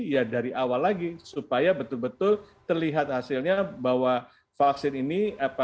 ya dari awal lagi supaya betul betul terlihat hasilnya bahwa vaksin ini